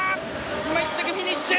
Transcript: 今１着フィニッシュ！